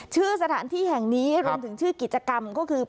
ชื่อสถานที่แห่งนี้รวมถึงชื่อกิจกรรมก็คือ